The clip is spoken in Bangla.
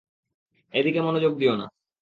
এদিকে মনোযোগ দিও না।